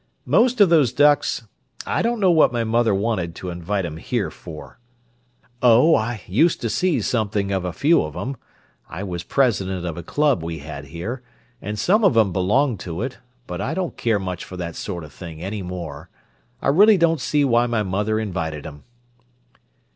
"Most of those ducks, I don't know what my mother wanted to invite 'em here for." "Don't you like them?" "Oh, I used to see something of a few of 'em. I was president of a club we had here, and some of 'em belonged to it, but I don't care much for that sort of thing any more. I really don't see why my mother invited 'em."